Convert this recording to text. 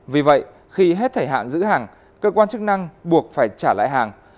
vì vậy khi hết thời hạn giữ hàng cơ quan chức năng buộc phải trả lại hàng